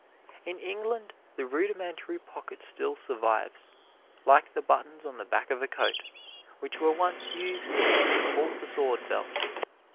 In England the rudimentary pocket still survives, like the buttons on the back of a coat, which were once used to support the sword belt.